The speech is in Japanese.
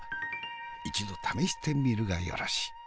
一度試してみるがよろし。